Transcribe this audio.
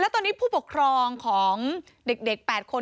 ตอนนี้ผู้ปกครองของเด็ก๘คน